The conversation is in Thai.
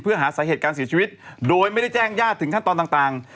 เพื่อหาสาเหตุการเสียชีวิตโดยไม่ได้แจ้งญาติถึงขั้นตอนต่าง